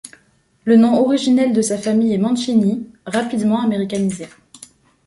Le nom originel de sa famille est Manchini, rapidement américanisé.